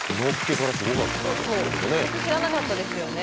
そう早速知らなかったですよね